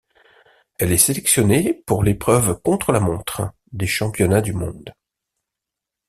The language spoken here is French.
Elle est sélectionnée pour l'épreuve contre-la-montre des championnats du monde.